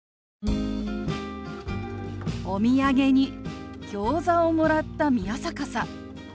お土産にギョーザをもらった宮坂さん。